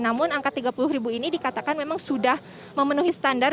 namun angka tiga puluh ribu ini dikatakan memang sudah memenuhi standar